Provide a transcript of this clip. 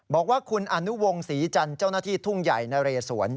บอกว่าคุณอนุวงศรีจันทร์เจ้าหน้าที่ทุ่งใหญ่นะเรสวน